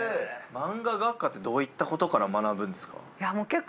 マンガ学科ってどういったことから学ぶんですか？